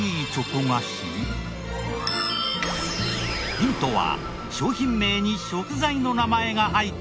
ヒントは商品名に食材の名前が入ったあれ。